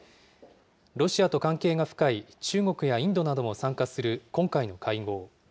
ロシアと関係が深い中国やインドなども参加する今回の会合。